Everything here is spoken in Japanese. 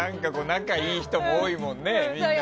仲いい人も多いもんね。